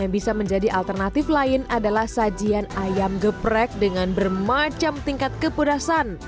yang bisa menjadi alternatif lain adalah sajian ayam geprek dengan bermacam tingkat kepedasan